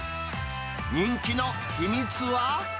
人気の秘密は。